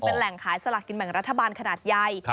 เป็นแหล่งขายสลากกินแบ่งรัฐบาลขนาดใหญ่